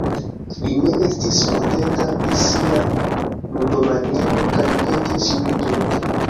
Li ne estis kontenta pri sia ludomaniero kaj petis min ludi.